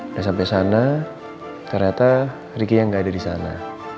udah sampe sana ternyata ricky yang gak ada disana